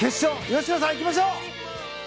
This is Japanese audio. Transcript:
吉野さん、いきましょう！